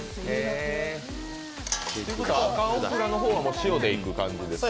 赤オクラの方は塩でいく感じですか？